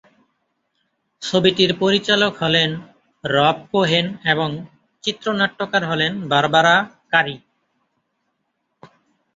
ছবিটির পরিচালক হলেন রব কোহেন এবং চিত্রনাট্যকার হলেন বারবারা কারি।